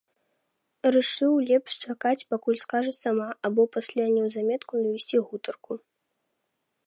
Рашыў лепш чакаць, пакуль скажа сама, або пасля неўзаметку навесці гутарку.